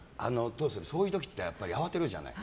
そういう時って慌てるじゃない。